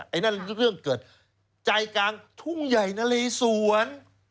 ไอ้นั่นเรื่องเกิดใจกลางทุ่งใหญ่นะเลสวน